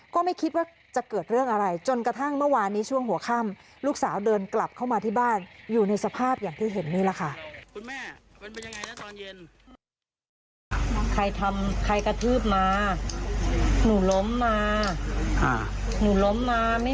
ก็ไม่คิดว่าจะเกิดเรื่องอะไรจนกระทั่งเมื่อวานนี้ช่วงหัวค่ำลูกสาวเดินกลับเข้ามาที่บ้านอยู่ในสภาพอย่างที่เห็นนี่แหละค่ะ